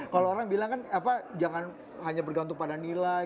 kalau orang bilang kan jangan hanya bergantung pada nilai